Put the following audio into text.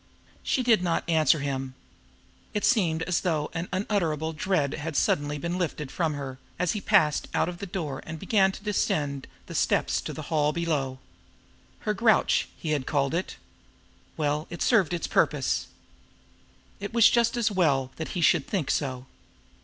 She did not answer him. It seemed as though an unutterable dread had suddenly been lifted from her, as he passed out of the door and began to descend the steps to the hall below. Her "grouch," he had called it. Well, it had served its purpose! It was just as well that he should think so!